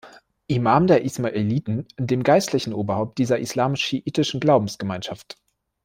Imam der Ismailiten, dem geistlichen Oberhaupt dieser islamisch-schiitischen Glaubensgemeinschaft.